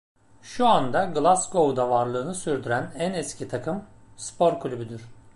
Şu anda Glasgow’da varlığını sürdüren en eski takım spor kulübüdür.